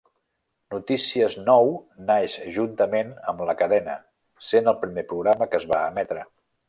Notícies Nou naix juntament amb la cadena, sent el primer programa que es va emetre.